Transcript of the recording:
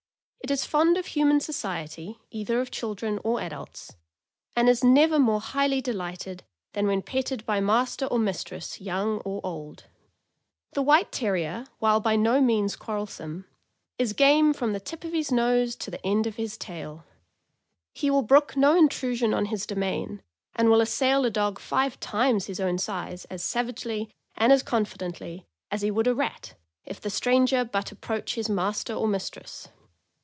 It is fond of human society, either of children or adults, and is never more highly delighted than when petted by master or mistress, young or old. The White Terrier, while by no means quarrelsome, is game from the tip of his nose to the end of his tail. He will brook no intrusion on his domain, and will assail a dog five times his own size as savagely and as confidently as he would a rat, if the stranger but approach his master or mistress.